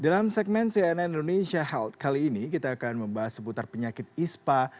dalam segmen cnn indonesia health kali ini kita akan membahas seputar penyakit ispa